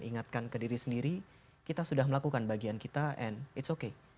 ingatkan ke diri sendiri kita sudah melakukan bagian kita and it's okay